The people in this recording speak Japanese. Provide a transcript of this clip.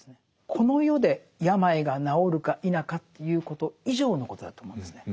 この世で病が治るか否かということ以上のことだと思うんですね。